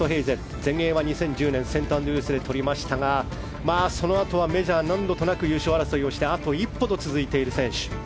全英は２０１０年セントアンドリュースでとりましたがそのあとはメジャーで何度となく優勝争いをしてあと一歩と続いている選手。